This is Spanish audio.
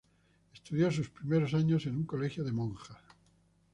Estudió sus primeros años en un colegio de monjas.